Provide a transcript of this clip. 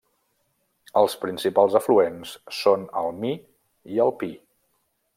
Els principals afluents són el Mi i el Pi.